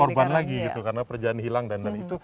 korban lagi gitu karena perjalanan hilang dan lain lain